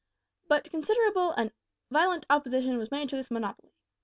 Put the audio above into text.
But considerable and violent opposition was made to this monopoly.